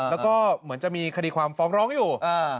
แล้วก็เหมือนจะมีคดีความฟ้องร้องอยู่